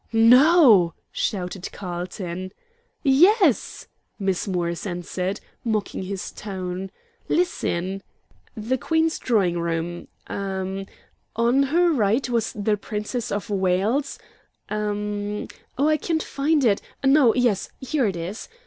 "No?" shouted Carlton. "Yes," Miss Morris answered, mocking his tone. "Listen. 'The Queen's Drawing room' em e m 'on her right was the Princess of Wales' em m. Oh, I can't find it no yes, here it is.